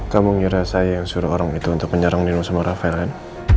kamu ngira saya yang suruh orang itu untuk menyerang nino sama rafael kan